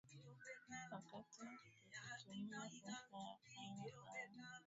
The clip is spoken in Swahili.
wakati kikitumia sensa ya aina fulani ikiwa na gharama ya dola mia hamsini